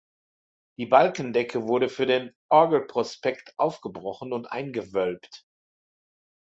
Die Balkendecke wurde für den Orgelprospekt aufgebrochen und eingewölbt.